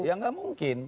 ya gak mungkin